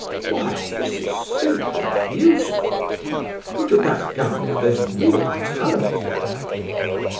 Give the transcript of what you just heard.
"Why, this is simply beautiful; look at that, Gania, there's real talent there!"